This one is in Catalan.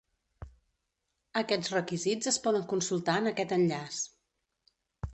Aquests requisits es poden consultar en aquest enllaç.